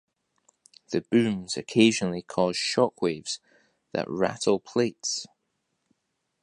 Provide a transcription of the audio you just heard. The booms occasionally cause shock waves that rattle plates.